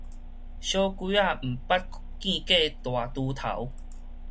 小鬼仔毋捌見過大豬頭